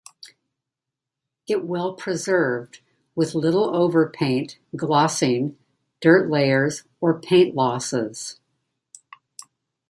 It well preserved, with little over-paint, glossing, dirt layers or paint losses.